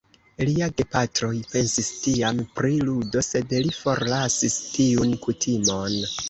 Lia gepatroj pensis tiam pri ludo, sed li forlasis tiun kutimon.